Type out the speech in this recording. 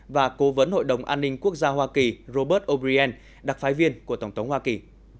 và cố vấn hội đồng an ninh quốc gia hoa kỳ robert o brien đặc phái viên của tổng thống hoa kỳ